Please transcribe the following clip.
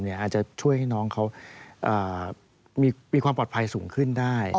อาจจะช่วยให้น้องเขามีความปลอดภัยสูงขึ้นได้